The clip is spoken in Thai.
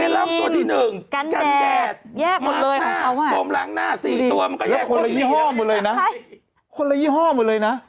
แล้วคนละยี่ห้อมมันเลยนะคนละยี่ห้อมมันเลยนะ